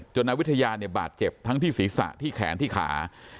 นายวิทยาเนี่ยบาดเจ็บทั้งที่ศีรษะที่แขนที่ขา